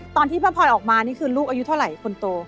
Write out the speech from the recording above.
ตอนที่ป้าพลอยออกมานี่คือลูกอายุเท่าไหร่คนโต